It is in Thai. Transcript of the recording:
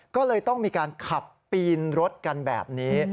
ก็เลยต้องมีการขับปีนรถกันแบบนี้